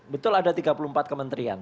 betul ada tiga puluh empat kementerian